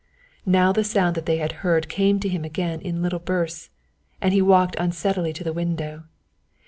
Now the sound that they had heard came to him again in little bursts, and he walked unsteadily to the window.